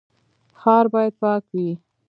ښار باید پاک وي